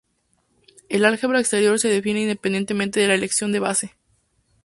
El álgebra exterior se define independiente de la elección de base.